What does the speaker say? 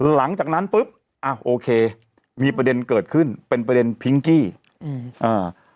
หลังจากนั้นปุ๊บอ่ะโอเคมีประเด็นเกิดขึ้นเป็นประเด็นพิงกี้อืมอ่า